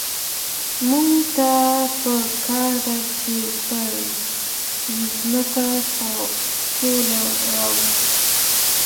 موږ ته په کار ده چي پر مځکي سوله راولو.